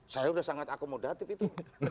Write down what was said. saya sudah sangat akomodatif itu